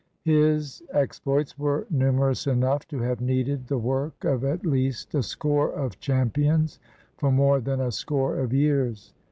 His exploits were numerous enough to have needed the work of at least a score of champions for more than a score of years.